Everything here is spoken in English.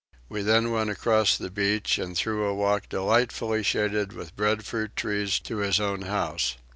We then went across the beach and through a walk delightfully shaded with breadfruit trees to his own house.